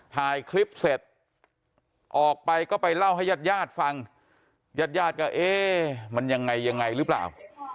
ถ่ายคลิปเสร็จออกไปก็ไปเล่าให้ญาติญาติฟังญาติญาติก็เอ๊ะมันยังไงยังไงหรือเปล่า